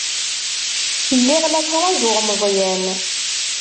Lliɣ la ttṛajuɣ Meẓyan.